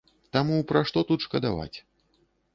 Таму пра што тут шкадаваць?